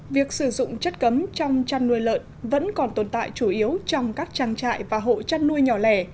việc sử dụng chất cấm trong chăn nuôi lợn vẫn còn tồn tại chủ yếu trong các trang trại và hộ chăn nuôi nhỏ lẻ